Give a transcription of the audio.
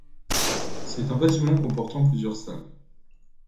C'est un bâtiment comportant plusieurs salles.